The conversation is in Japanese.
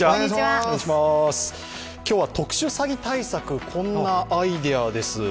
今日は特殊詐欺対策、こんなアイデアです。